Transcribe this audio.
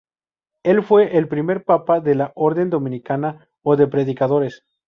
Él fue el primer Papa de la Orden Dominica o de Predicadores.